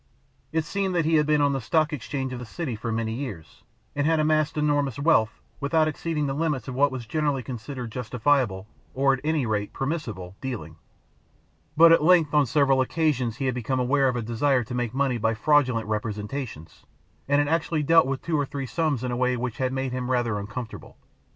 It seemed that he had been on the Stock Exchange of the city for many years and had amassed enormous wealth, without exceeding the limits of what was generally considered justifiable, or at any rate, permissible dealing; but at length on several occasions he had become aware of a desire to make money by fraudulent representations, and had actually dealt with two or three sums in a way which had made him rather uncomfortable.